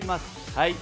はい！